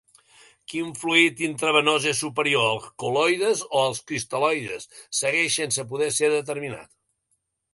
Quin fluid intravenós és superior, el col·loides o els cristal·loides, segueix sense poder ser determinat.